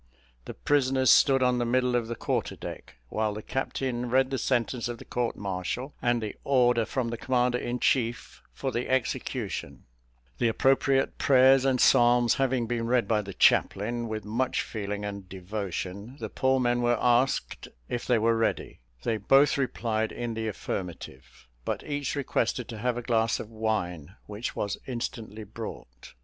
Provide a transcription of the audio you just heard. The prisoners stood on the middle of the quarter deck, while the captain read the sentence of the court martial and the order from the commander in chief for the execution The appropriate prayers and psalms having been read by the chaplain, with much feeling and devotion, the poor men were asked if they were ready; they both replied in the affirmative, but each requested to have a glass of wine, which was instantly brought.